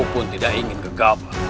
pengen pergi ke migas